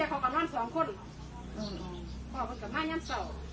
เห็นตัวลูกข้างเทียมเขากำลังสองคนขอบคุณกลับมาอย่างเช่า